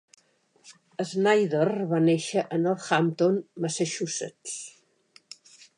Snyder va néixer a Northampton, Massachusetts.